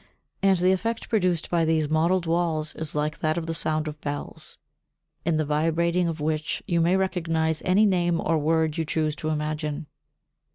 And the effect produced by these mottled walls is like that of the sound of bells, in the vibrating of which you may recognize any name or word you choose to imagine.